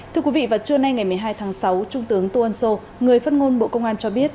thưa quý vị vào trưa nay ngày một mươi hai tháng sáu trung tướng tô ân sô người phát ngôn bộ công an cho biết